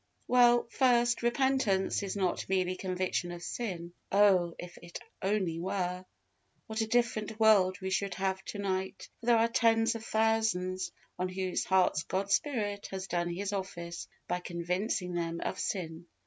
Well, first, repentance is not merely conviction of sin. Oh! if it only were, what a different world we should have to night, for there are tens of thousands on whose hearts God's Spirit has done His office by convincing them of sin.